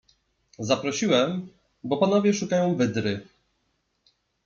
Zaprosiłem, bo panowie szukają wydry.